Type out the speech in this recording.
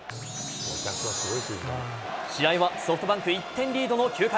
試合はソフトバンク１点リードの９回。